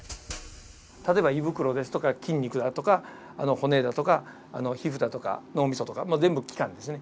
例えば胃袋ですとか筋肉だとか骨だとか皮膚だとか脳みそとか全部の器官ですね。